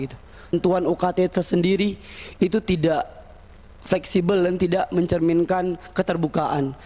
tentuan ukt tersendiri itu tidak fleksibel dan tidak mencerminkan keterbukaan